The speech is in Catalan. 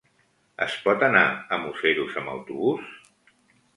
Es pot anar a Museros amb autobús?